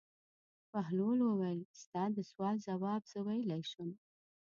بهلول وویل: ستا د سوال ځواب زه ویلای شم.